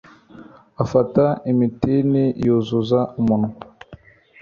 Afata Imitini yuzuza umunwa